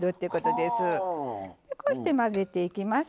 こうして混ぜていきます。